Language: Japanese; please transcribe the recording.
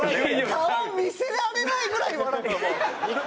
顔見せられないぐらい笑ってる。